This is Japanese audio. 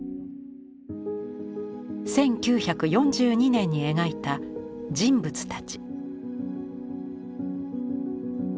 １９４２年に描いた「人物たち」。